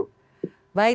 baik terima kasih